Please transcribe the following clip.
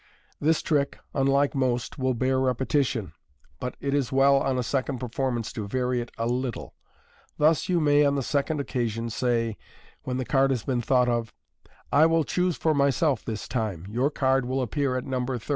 This trick, unlike most, will bear repetition ; but it is well on a second performance to vary it a little. Thus you may on the second occasion say, when the card has been thought of, "I will choose for myself this time ; your card will appear at number 30."